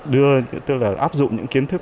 đưa tức là áp dụng những kiến thức